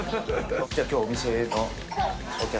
じゃあ今日お店の。